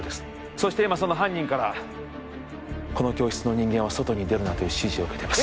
そして今その犯人からこの教室の人間は外に出るなという指示を受けています